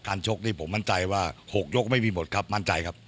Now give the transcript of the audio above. ชกนี่ผมมั่นใจว่า๖ยกไม่มีหมดครับมั่นใจครับ